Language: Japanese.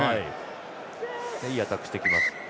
いいアタックしてきます。